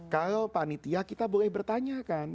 kalau panitia kita boleh bertanya kan